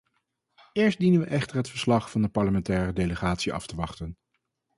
Eerst dienen we echter het verslag van de parlementaire delegatie af te wachten.